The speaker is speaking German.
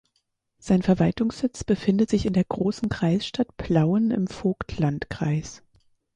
Sein Verwaltungssitz befindet sich in der Großen Kreisstadt Plauen im Vogtlandkreis.